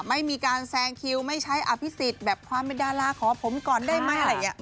ไม่มีการแซงคิวไม่ใช้อภิษฎแบบความเป็นดาราขอผมก่อนได้ไหมอะไรอย่างนี้